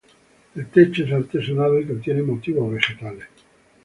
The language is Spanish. El techo es artesonado y contiene motivos vegetales.